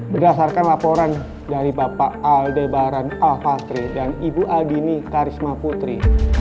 berdasarkan laporan dari bapak aldebaran al fatih dan ibu adini karisma putri